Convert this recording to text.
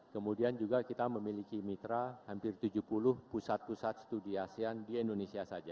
kemudian juga kita memiliki mitra hampir tujuh puluh pusat pusat studi asean di indonesia saja